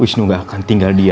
wisnu gak akan tinggal dia